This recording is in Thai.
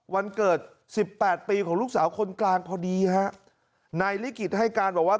วันเกิดสิบแปดปีของลูกสาวคนกลางพอดีฮะนายลิขิตให้การบอกว่า